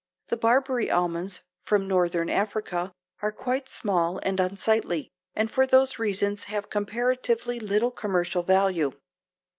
The Barbary almonds from northern Africa are quite small and unsightly and for those reasons have comparatively little commercial value.